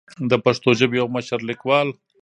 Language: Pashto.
د پښتو ژبې يو مشر ليکوال